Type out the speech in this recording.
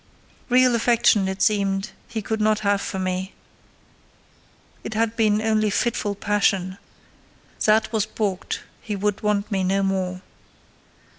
Real affection, it seemed, he could not have for me; it had been only fitful passion: that was balked; he would want me no more.